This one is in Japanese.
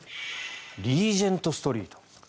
リージェント・ストリート。